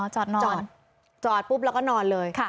อ๋อจอดนอนจอดจอดปุ๊บแล้วก็นอนเลยค่ะ